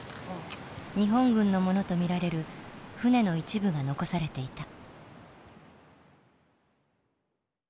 日本軍のものと見られる船の一部が残されていた。